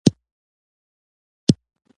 د واکمنۍ هغه سلسله څلور سوه کاله یې حکومت وکړ.